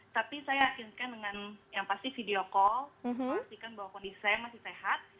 tapi saya yakin sekali dengan yang pasti video call pastikan bahwa kondisi saya masih sehat